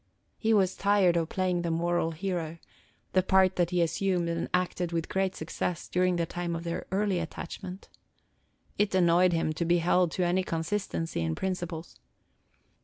He was tired of playing the moral hero, the part that he assumed and acted with great success during the time of their early attachment. It annoyed him to be held to any consistency in principles.